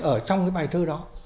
ở trong cái bài thơ đó